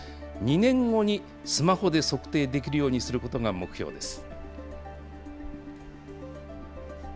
２年後にスマホで測定できるようにすることが目標です。